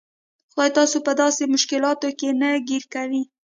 خدای تاسو په داسې مشکلاتو کې نه ګیر کوي.